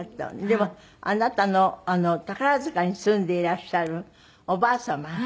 でもあなたの宝塚に住んでいらっしゃるおばあ様